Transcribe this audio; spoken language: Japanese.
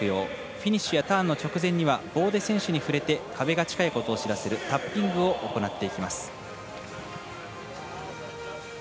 フィニッシュやターンの直前には棒で選手に触れて壁が近いことを知らせるタッピングを行っていきます。